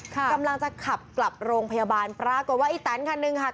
กำลังจะขับกลับโรงพยาบาลปรากฏว่าอีแตนคันหนึ่งค่ะ